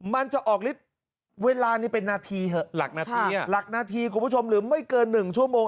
มันจะออกฤทธิ์เวลานี้เป็นนาทีเหอะหลักนาทีหรือไม่เกิน๑ชั่วโมง